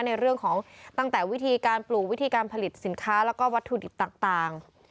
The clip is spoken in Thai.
ในเรื่องของตั้งแต่วิธีการปลูกวิธีการผลิตสินค้าแล้วก็วัตถุดิบต่าง